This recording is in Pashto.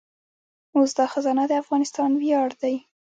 اوس دا خزانه د افغانستان ویاړ دی